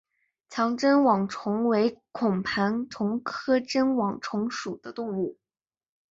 强针网虫为孔盘虫科针网虫属的动物。